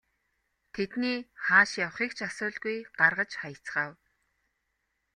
Тэдний хааш явахыг ч асуулгүй гаргаж хаяцгаав.